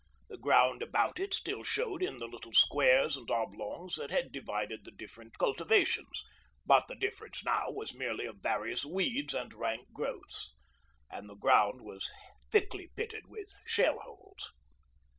The ground about it still showed in the little squares and oblongs that had divided the different cultivations, but the difference now was merely of various weeds and rank growths, and the ground was thickly pitted with shell holes.